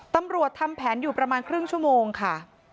ตำรวจทำแผนอยู่ประมาณครึ่งชั่วโมงค่ะ